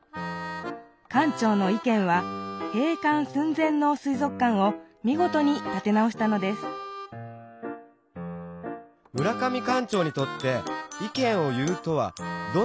館長の意見は閉館すん前の水族館を見ごとに立て直したのです村上館長にとって意見を言うとはどんなことなんですか？